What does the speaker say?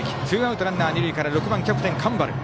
ツーアウトランナー、二塁から６番のキャプテン、上原。